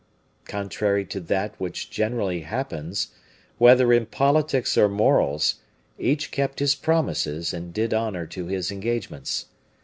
Contrary to that which generally happens, whether in politics or morals, each kept his promises, and did honor to his engagements.